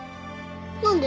何で？